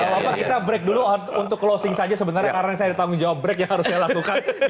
bapak bapak kita break dulu untuk closing saja sebenarnya karena saya ada tanggung jawab break yang harus saya lakukan